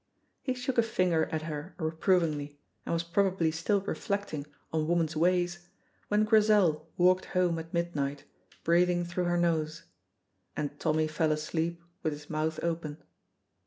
He shook a finger at her reprovingly, and was probably still reflecting on woman's ways when Grizel walked home at midnight breathing through her nose, and Tommy fell asleep with his mouth open.